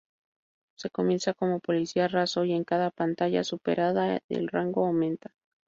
Se comienza como policía raso y en cada pantalla superada el rango aumenta.